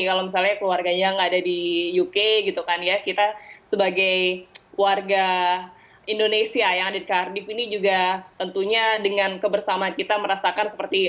kalau misalnya keluarganya nggak ada di uk gitu kan ya kita sebagai warga indonesia yang ada di cardif ini juga tentunya dengan kebersamaan kita merasakan seperti